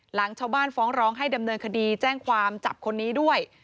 หลังชาวบ้านฟ้องร้องให้ดำเนินคดีแจ้งความจับคนนี้ด้วย